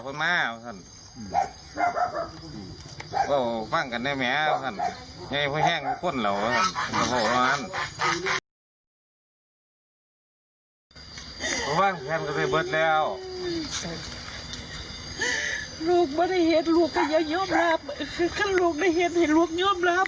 ท่านลูกไม่เห็นให้ลูกยอมรับเชือกว่าแม่เนี้ย